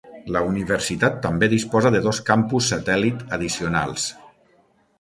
La universitat també disposa de dos campus satèl·lit addicionals.